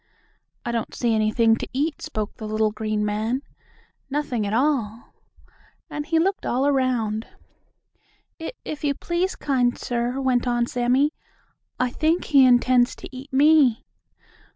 "I don't see anything to eat," spoke the little green man. "Nothing at all," and he looked all around. "If if you please, kind sir," went on Sammie, "I think he intends to eat me."